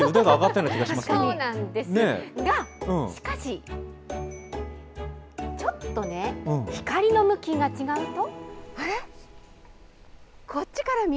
そうなんですが、しかし、ちょっとね、光の向きが違うと。